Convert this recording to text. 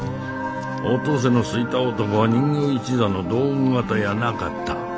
お登勢の好いた男は人形一座の道具方やなかった。